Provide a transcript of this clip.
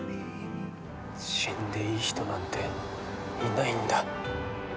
死んでいい人なんていないん